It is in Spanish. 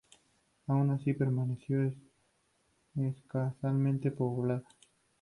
Aun así, permaneció escasamente poblada.